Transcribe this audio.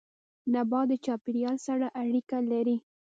نبات د چاپيريال سره اړيکه لري